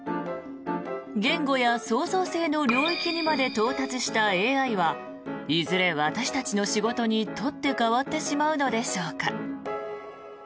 言語や創造性の領域にまで到達したＡＩはいずれ私たちの仕事に取って代わってしまうのでしょうか。